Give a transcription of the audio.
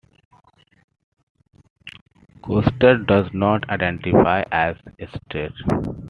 Koster does not identify as straight.